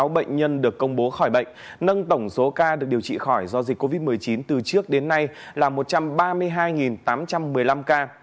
sáu bệnh nhân được công bố khỏi bệnh nâng tổng số ca được điều trị khỏi do dịch covid một mươi chín từ trước đến nay là một trăm ba mươi hai tám trăm một mươi năm ca